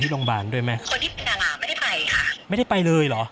ที่โพสต์ก็คือเพื่อต้องการจะเตือนเพื่อนผู้หญิงในเฟซบุ๊คเท่านั้นค่ะ